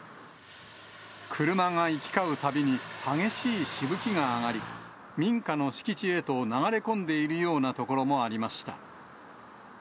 車が行き交うたびに激しいしぶきが上がり、民家の敷地へと流れ込んでいるような所もありました。